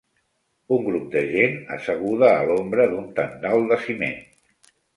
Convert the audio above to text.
Un grup de gent asseguda a l'ombra d'un tendal de ciment.